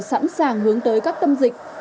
sẵn sàng hướng tới các tâm dịch